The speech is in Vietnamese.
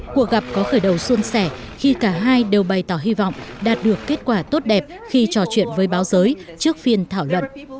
cuộc gặp có khởi đầu xuân sẻ khi cả hai đều bày tỏ hy vọng đạt được kết quả tốt đẹp khi trò chuyện với báo giới trước phiên thảo luận